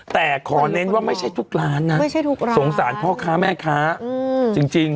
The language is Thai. แต่ขอเน้นว่าไม่ใช่ทุกร้านนะสงสารพ่อค้าแม่ค้าจริง